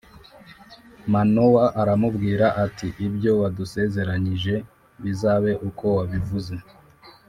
Manowa aramubwira ati ibyo wadusezeranyije bizabe uko wabivuze